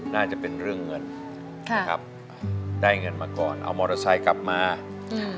น่าจะเป็นเรื่องเงินค่ะนะครับได้เงินมาก่อนเอามอเตอร์ไซค์กลับมาค่ะ